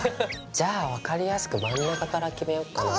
じゃあ分かりやすく真ん中から決めよっかなぁ。